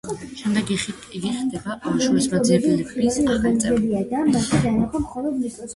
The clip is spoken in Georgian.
შემდეგ იგი ხდება შურისმაძიებლების ახალი წევრი.